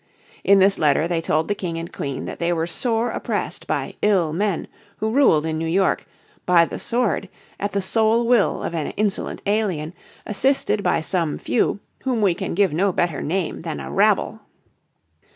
In this letter they told the King and Queen that they were sore oppressed by "ill men" who ruled in New York "by the sword, at the sole will of an insolent alien, assisted by some few, whom we can give no better name than a rabble."